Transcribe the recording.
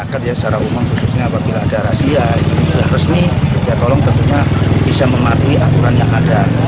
ketika ada razia sudah resmi tentunya bisa mematuhi aturan yang ada